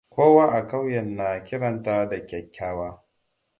Kowa a ƙauyen na kiranta da kyakkyawa.